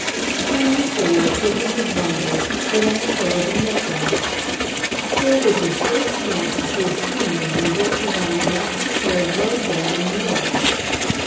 Henry Ford, gripping his bundles, stood on the curb and looked at it. Here was his first chance to see a steam engine built to run without a prepared roadbed and rails.